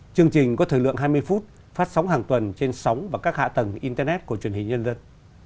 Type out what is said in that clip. chương trình có thời lượng hai mươi phút phát sóng hàng tuần trên sóng và các hạ tầng internet của truyền hình nhân dân